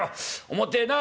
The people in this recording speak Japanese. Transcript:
重てえな。